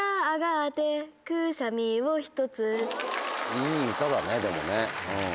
いい歌だねでもね。